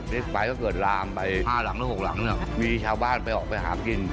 ไปก็เกิดลามไป๕หลังหรือ๖หลังเนี่ยมีชาวบ้านไปออกไปหากิน